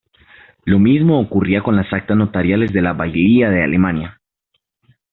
Lo mismo ocurría con las actas notariales de la bailía de Alemania.